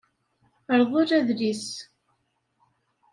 Rḍel adlis.